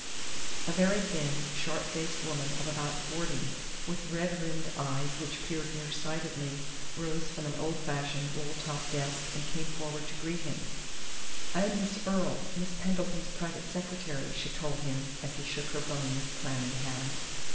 A very thin, sharp faced woman of about forty, with red rimmed eyes which peered nearsightedly, rose from an old fashioned roll top desk and came forward to greet him. "I am Miss Earle, Miss Pendleton's private secretary," she told him, as he shook her bony, clammy hand.